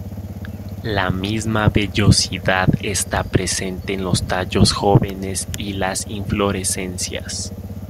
La misma vellosidad está presente en los tallos jóvenes y las inflorescencias.